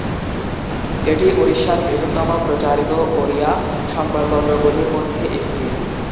এটি উড়িষ্যার বৃহত্তম প্রচারিত ওড়িয়া সংবাদপত্রগুলির মধ্যে একটি।